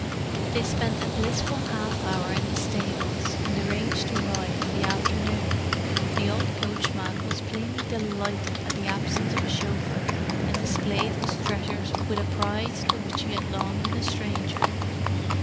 They spent a blissful half hour in the stables, and arranged to ride in the afternoon—the old coachman was plainly delighted at the absence of a chauffeur, and displayed his treasures with a pride to which he had long been a stranger.